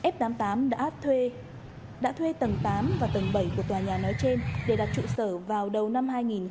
f tám mươi tám đã thuê tầng tám và tầng bảy của tòa nhà nói trên để đặt trụ sở vào đầu năm hai nghìn hai mươi